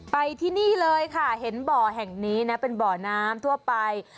ไปที่นี่เลยค่ะเห็นบ่อแห่งนี้นะเป็นบ่อน้ำทั่วไป